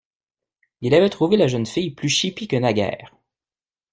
Il avait trouvé la jeune fille plus chipie que naguère.